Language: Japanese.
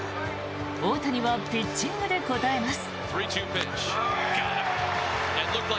大谷はピッチングで応えます。